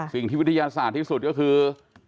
วิทยาศาสตร์ที่สุดก็คือ